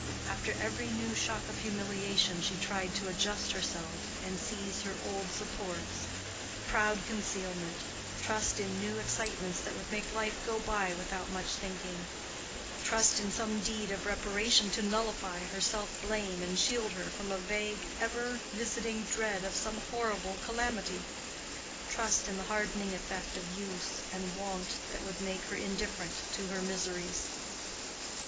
After every new shock of humiliation she tried to adjust herself and seize her old supports—proud concealment, trust in new excitements that would make life go by without much thinking; trust in some deed of reparation to nullify her self blame and shield her from a vague, ever visiting dread of some horrible calamity; trust in the hardening effect of use and wont that would make her indifferent to her miseries.